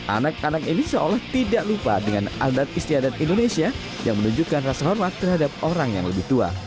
anak anak ini seolah tidak lupa dengan adat istiadat indonesia yang menunjukkan rasa hormat terhadap orang yang lebih tua